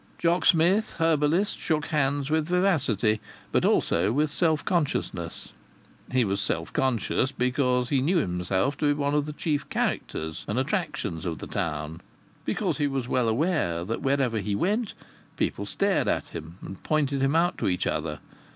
Jock Smith, herbalist, shook hands with vivacity but also with self consciousness. He was self conscious because he knew himself to be one of the chief characters and attractions of the town, because he was well aware that wherever he went people stared at him and pointed him out to each other.